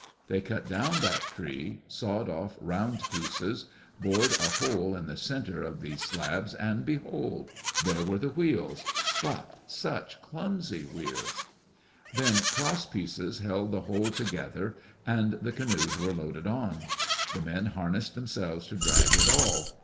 They cut down that tree, sawed off round pieces, bored a hole in the center of these slabs, and behold! there were the wheels — but such clumsy wheels 1 Then crosspieces held the whole together, and the canoes were loaded on. The men har nessed themselves to drag it all.